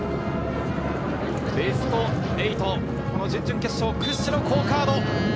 ベスト８、準々決勝、屈指の好カード。